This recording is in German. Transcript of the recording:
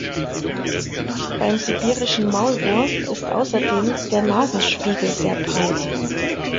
Beim Sibirischen Maulwurf ist außerdem der Nasenspiegel sehr breit.